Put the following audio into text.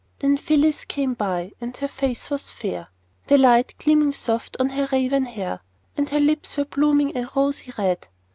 Then Phyllis came by, and her face was fair, The light gleamed soft on her raven hair; And her lips were blooming a rosy red.